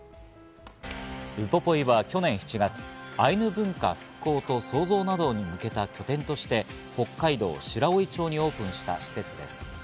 ウポポイは去年７月、アイヌ文化復興と創造などに向けた拠点として、北海道白老町にオープンした施設です。